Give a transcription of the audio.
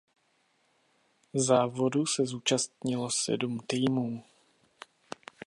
Závodu se zúčastnilo sedm týmů.